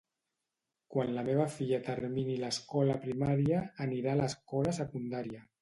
Quan la meva filla termini l'escola primària, anirà a l'escola secundària.